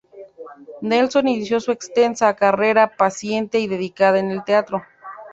Nelson inició su extensa carrera paciente y dedicada en el teatro.